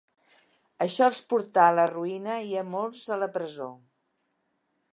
Això els portà a la ruïna i a molts a la presó.